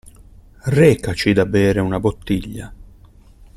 Recaci da bere una bottiglia.